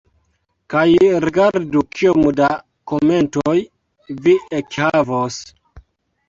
Kaj rigardu kiom da komentoj vi ekhavos.